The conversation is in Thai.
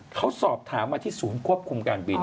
เขาสอบถามมาที่ศูนย์ควบคุมการบิน